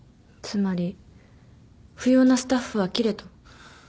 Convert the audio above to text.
つまり不要なスタッフは切れと。